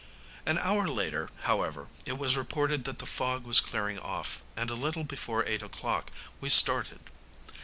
An hour later, however, it was reported that the fog was clearing off, and a little before eight o'clock we started.